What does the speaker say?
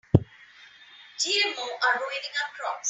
GMO are ruining our crops.